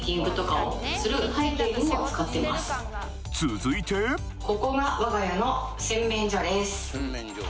続いてここが我が家の洗面所です。